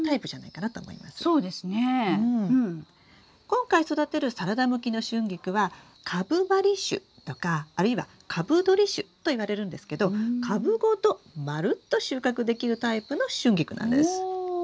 今回育てるサラダ向きのシュンギクは「株張り種」とかあるいは「株取り種」といわれるんですけど株ごとまるっと収穫できるタイプのシュンギクなんです。